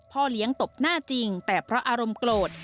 เลี้ยงตบหน้าจริงแต่เพราะอารมณ์โกรธ